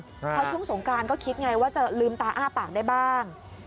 เพราะช่วงสงกรานก็คิดไงว่าจะลืมตาอ้าปากได้บ้าง